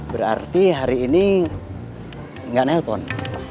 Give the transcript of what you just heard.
berarti hari ini nggak nelpon